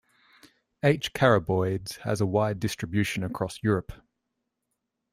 "H. caraboides" has a wide distribution across Europe.